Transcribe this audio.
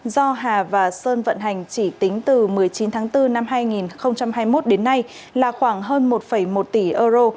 do hà và sơn vận hành chỉ tính từ một mươi chín tháng bốn năm hai nghìn hai mươi một đến nay là khoảng hơn một một tỷ euro